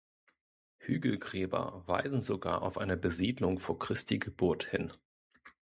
Hügelgräber weisen sogar auf eine Besiedlung vor Christi Geburt hin.